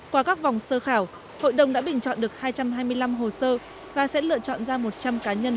qua các vòng sơ khảo hội đồng đã bình chọn được hai trăm hai mươi năm hồ sơ và sẽ lựa chọn ra một trăm linh cá nhân